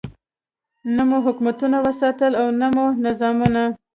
نه مو حکومتونه وساتل او نه مو نظامونه.